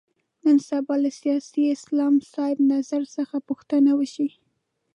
نن سبا له سیاسي اسلام صاحب نظر څخه پوښتنه وشي.